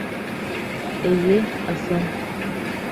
Эйе, ысын.